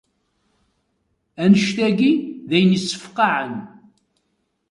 Annect-agi d ayen issefqayen.